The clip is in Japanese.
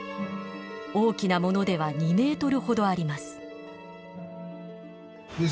大きなものでは２ｍほどあります。